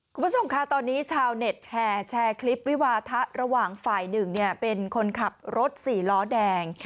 คุณผู้ชมค่ะตอนนี้ชาวเน็ตแห่แชร์คลิปวิวาทะระหว่างฝ่ายหนึ่งเป็นคนขับรถสี่ล้อแดง